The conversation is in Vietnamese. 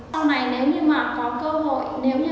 sau này nếu như có cơ hội nếu như có điều